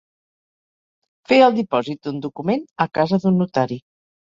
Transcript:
Fer el dipòsit d'un document a casa d'un notari.